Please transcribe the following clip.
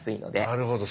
なるほど。